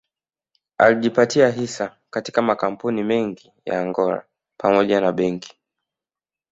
Alijipatia hisa katika makampuni mengi ya Angola pamoja na benki